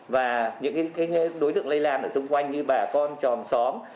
và những đối tượng lây lan ở xung quanh như bà con tròn xóm